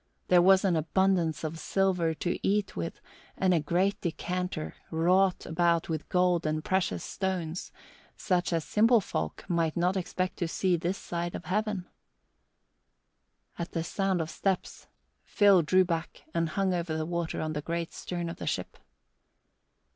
There was an abundance of silver to eat with and a great decanter, wrought about with gold and precious stones, such as simple folk might not expect to see this side of Heaven. At the sound of steps, Phil drew back and hung over the water on the great stern of the ship.